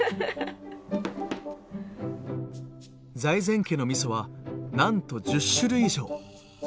財前家のみそはなんと１０種類以上。